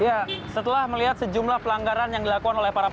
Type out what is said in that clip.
ya setelah melihat sejumlah pelanggaran yang dilakukan oleh para pelaku